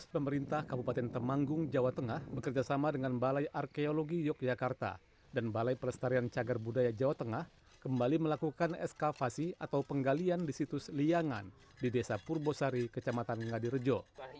pemerintah kabupaten temanggung jawa tengah kembali menganggarkan dana untuk ekskavasi atau penggalian situs liangan di desa purbosari kecamatan ngadirejo